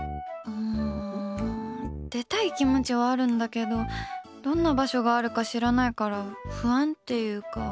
出たい気持ちはあるんだけどどんな場所があるか知らないから不安っていうか。